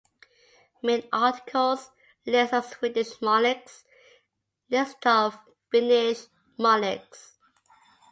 "Main articles: List of Swedish monarchs", "List of Finnish monarchs"